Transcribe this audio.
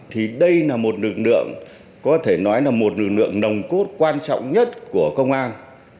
thì đây là một lực lượng có thể nói là một lực lượng nồng cốt quan trọng nhất của công an